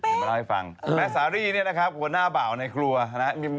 เดี๋ยวมาเล่าให้ฟังแม่สารีเนี่ยนะครับหัวหน้าบ่าวในครัวนะครับ